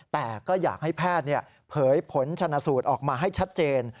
แต่ก็อยากให้แพทย์เผยผลชนสูตรออกมาให้ชัดเจน